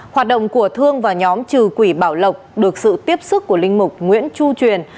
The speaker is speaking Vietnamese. hoạt động của thương và nhóm trừ quỷ bảo lộc được sự tiếp sức của linh mục nguyễn chu truyền